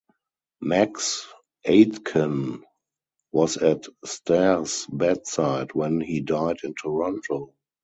Max Aitken was at Stairs' bedside when he died in Toronto.